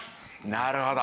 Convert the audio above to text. なるほど。